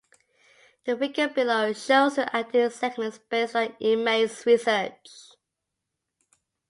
The figure below shows the ideal segments based on Imai's research.